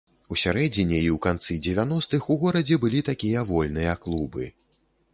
У сярэдзіне і ў канцы дзевяностых у горадзе былі такія вольныя клубы.